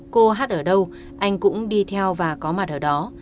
cô hát ở đâu anh cũng đi theo và có mặt ở đó